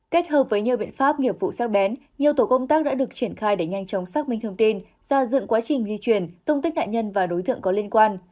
kết hợp với nhiều biện pháp nghiệp vụ sát bén nhiều tổ công tác đã được triển khai để nhanh chóng xác minh thông tin ra dựng quá trình di chuyển tung tích nạn nhân và đối tượng có liên quan